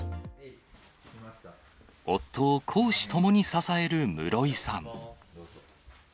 夫を公私ともに支える室井さん。